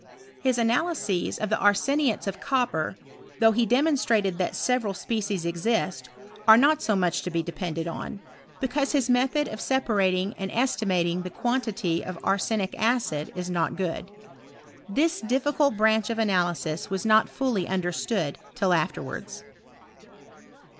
His analyses of SI6 STSTOBT OF CBEHISTBT. ' the arseniates of copper, though he demonstrated that several different species exist, are not so much to be depended on ; because his method of sepa rating and estimating the quantity of arsenic acid is not good. This difficult branch of analysis was DOt fully understood till afterwards.